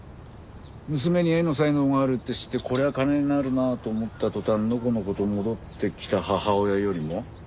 娘に絵の才能があるって知ってこれは金になるなと思った途端のこのこと戻ってきた母親よりも？